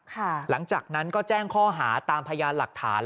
หลังจากนั้นก็แจ้งข้อหาตามพยานหลักฐาน